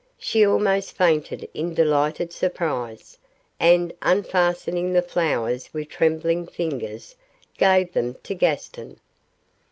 She almost fainted in delighted surprise, and unfastening the flowers with trembling fingers, gave them to Gaston.